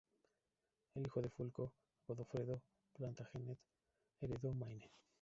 El hijo de Fulco, Godofredo Plantagenet, heredó Maine.